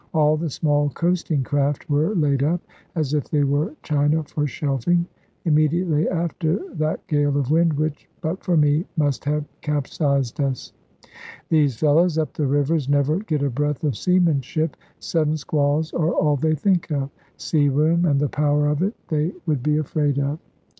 All the small coasting craft were laid up, as if they were china for shelfing, immediately after that gale of wind, which (but for me) must have capsized us. These fellows up the rivers never get a breath of seamanship. Sudden squalls are all they think of. Sea room, and the power of it, they would be afraid of.